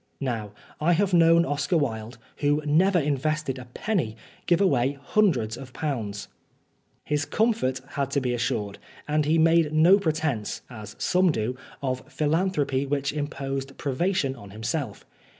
Now, I have known Oscar Wilde, who never invested a penny, give away hundreds of pounds. His comfort had to be assured; and he made no pretence, as some do, of philan thropy which imposed privation on himself.